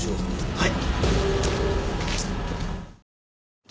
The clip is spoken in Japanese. はい。